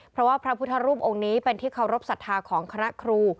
เพราะว่าพระพุทธรูปองค์นี้เป็นที่เคารพสัทธาของคณะครู